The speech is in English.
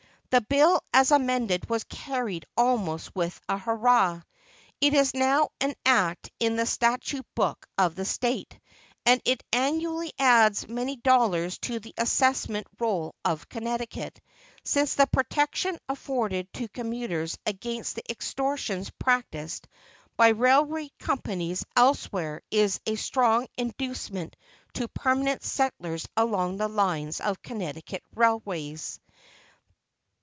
The bill as amended was carried almost with a "hurrah." It is now an act in the statute book of the State, and it annually adds many dollars to the assessment roll of Connecticut, since the protection afforded to commuters against the extortions practised by railway companies elsewhere is a strong inducement to permanent settlers along the lines of Connecticut railways.